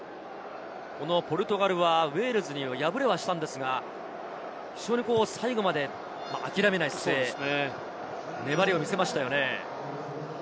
ポルトガルはウェールズに敗れはしたんですが、非常に最後まで諦めない姿勢、粘りを見せましたよね。